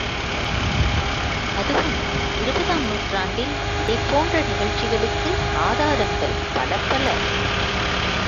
அதுவும் இருபதாம் நூற்றாண்டில் இதைப்போன்ற நிகழ்ச்சிகளுக்கு ஆதாரங்கள் பலப் பல.